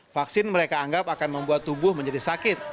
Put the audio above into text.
vaksin mereka anggap akan membuat tubuh menjadi sakit